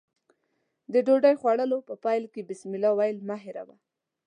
د ډوډۍ خوړلو په پیل کې بسمالله ويل مه هېروه.